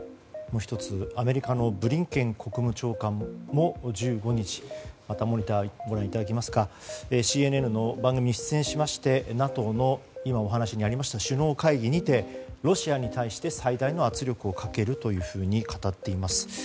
もう１つ、アメリカのブリンケン国務長官も１５日ＣＮＮの番組出演しましてＮＡＴＯの今お話にありました首脳会議にてロシアに対して最大の圧力をかけるというふうに語っています。